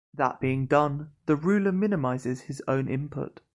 That being done, the ruler minimizes his own input.